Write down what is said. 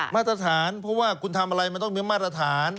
มาตรฐานเพราะว่าคุณทำอะไรมันต้องมีมาตรฐาน